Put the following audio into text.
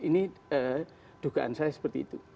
ini dugaan saya seperti itu